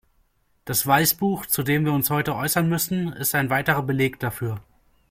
Das Weißbuch, zu dem wir uns heute äußern müssen, ist ein weiterer Beleg dafür.